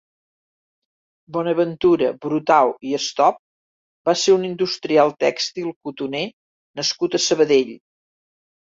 Bonaventura Brutau i Estop va ser un industrial tèxtil cotoner nascut a Sabadell.